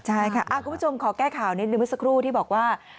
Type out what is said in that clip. ใช่ค่ะคุณผู้ชมขอแก้ข่าวนิดนึงเมื่อสักครู่ที่บอกว่า